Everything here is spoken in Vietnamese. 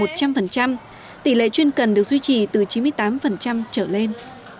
tỷ lệ chuyên cần được duy trì từ chín mươi tám trở lên